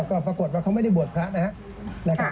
ก็ปรากฏว่าเขาไม่ได้บวชพระนะครับ